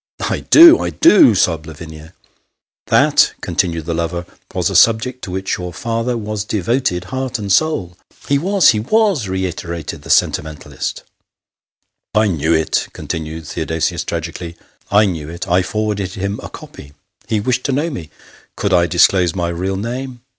"" I do I do !" sobbed Lavinia. " That," continued the lover, " was a subject to which your father was devoted, heart and soul." M He was he was !" reiterated the sentimentalist. Theodosius Butler. 249 " I knew it," continued Theodosius, tragically ;" I knew it I forwarded him a copy. He wished to know me. Could I disclose my real name